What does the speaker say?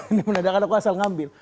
ini menandakan aku asal ngambil